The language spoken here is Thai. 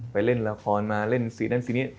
เล่นละครมาเล่นสีนั่นสีนี้